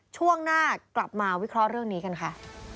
ช่วงหน้ากลับมาวิเคราะห์เรื่องนี้กันค่ะ